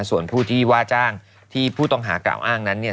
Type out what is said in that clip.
ส่วนผู้ที่ว่าจ้างที่ผู้ต้องหากล่าวอ้างนั้นเนี่ย